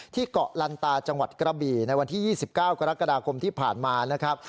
เกาะลันตาจังหวัดกระบี่ในวันที่๒๙กรกฎาคมที่ผ่านมานะครับ